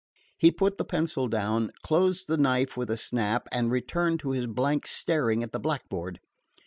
He put the pencil down, closed the knife with a snap, and returned to his blank staring at the blackboard.